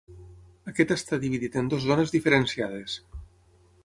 Aquest està dividit en dues zones diferenciades.